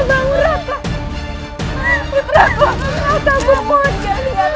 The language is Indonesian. rata bangun rata